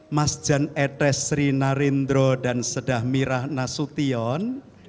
mas jan etres sri narindro dan sedah mira nasution